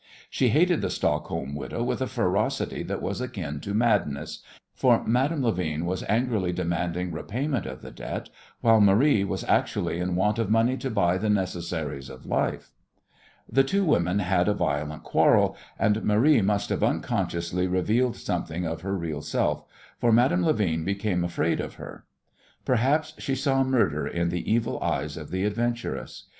She hated the Stockholm widow with a ferocity that was akin to madness, for Madame Levin was angrily demanding payment of the debt while Marie was actually in want of money to buy the necessaries of life. The two women had a violent quarrel, and Marie must have unconsciously revealed something of her real self, for Madame Levin became afraid of her. Perhaps she saw murder in the evil eyes of the adventuress.